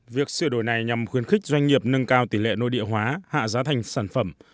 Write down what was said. việc sửa đổi này nhằm khuyến khích doanh nghiệp nâng cao tỷ lệ nội địa hóa hạ giá thành sản phẩm